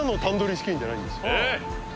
えっ！